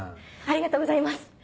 ありがとうございます。